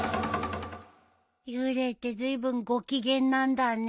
幽霊ってずいぶんご機嫌なんだね。